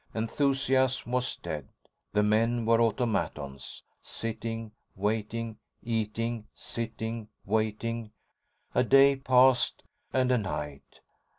Enthusiasm was dead. The men were automatons, sitting, waiting, eating, sitting, waiting. A day passed, and a night.